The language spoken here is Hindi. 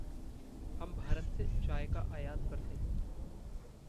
हम भारत से चाय का आयात करते हैं।